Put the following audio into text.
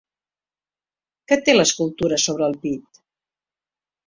Què té l'escultura sobre el pit?